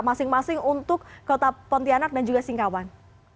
masing masing untuk kota pontianak dan juga singkawang